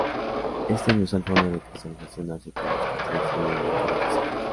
Esta inusual forma de cristalización hace que los cristales terminen en caras desiguales.